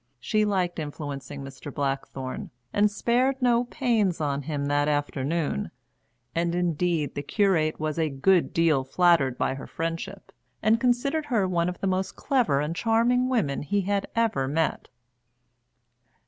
She liked influencing Mr. Blackthorne, and spared no pains on him that afternoon; and indeed the curate was a good deal flattered by her friendship, and considered her one of the most clever and charming women he had ever met.